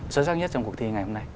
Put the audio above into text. sớm sắc nhất trong cuộc thi ngày hôm nay